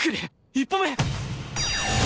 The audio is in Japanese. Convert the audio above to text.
１歩目！